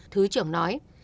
thứ trưởng nói